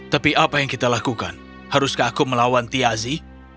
tapi apa yang kita lakukan haruskah aku melawan tiazi